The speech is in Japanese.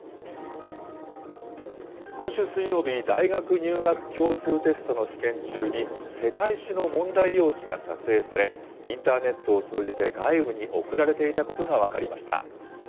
今週水曜日、大学入学共通テストの試験中に、世界史の問題用紙が撮影され、インターネットを通じて、外部に送られていたことが分かりました。